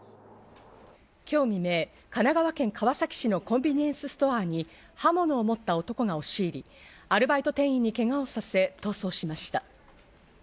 今日未明、神奈川県川崎市のコンビニエンスストアに刃物を持った男が押し入り、アルバイト店員にけがをさせ、逃走しました。